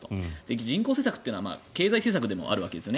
人口政策というのは経済政策でもあるわけですよね。